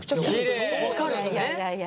いやいやいや。